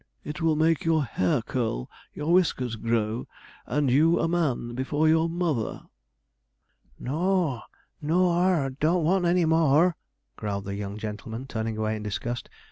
It will make your hair curl, your whiskers grow, and you a man before your mother.' 'N o a, n o ar, don't want any more,' growled the young gentleman, turning away in disgust.